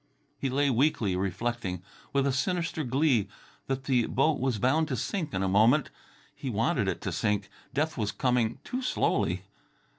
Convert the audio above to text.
He lay weakly reflecting, with a sinister glee, that the boat was bound to sink in a moment. He wanted it to sink. Death was coming too slowly.